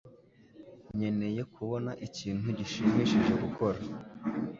Nkeneye kubona ikintu gishimishije gukora.